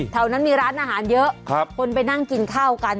แถวนั้นมีร้านอาหารเยอะคนไปนั่งกินข้าวกัน